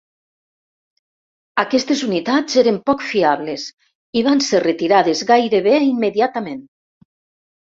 Aquestes unitats eren poc fiables i van ser retirades gairebé immediatament.